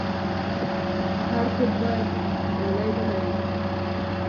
هر کور باید غالۍ ولري.